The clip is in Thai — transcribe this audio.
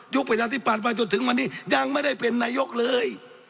ประชาธิปัตย์มาจนถึงวันนี้ยังไม่ได้เป็นนายกเลย